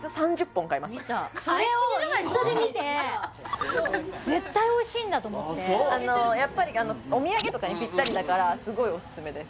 それをインスタで見て絶対おいしいんだと思ってやっぱりお土産とかにピッタリだからすごいオススメです